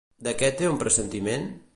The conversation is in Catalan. De què té un pressentiment?